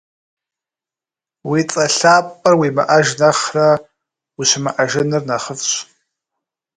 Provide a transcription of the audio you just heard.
Уи цIэ лъапIэр уимыIэж нэхърэ ущымыIэжыныр нэхъыфIщ.